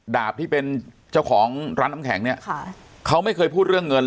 ดาบที่เป็นเจ้าของร้านน้ำแข็งเนี่ยค่ะเขาไม่เคยพูดเรื่องเงิน